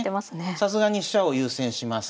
さすがに飛車を優先します。